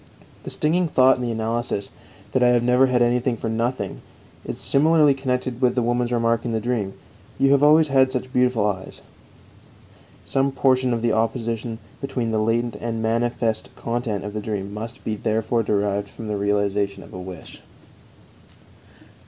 The stinging thought in the analysis, that I have never had anything for nothing, is similarly connected with the woman's remark in the dream: "You have always had such beautiful eyes." Some portion of the opposition between the latent and manifest content of the dream must be therefore derived from the realization of a wish.